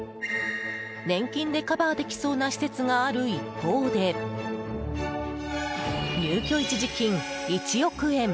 年金でカバーできそうな施設がある一方で入居一時金１億円！